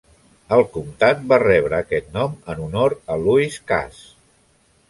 El comtat va rebre aquest nom en honor a Lewis Cass.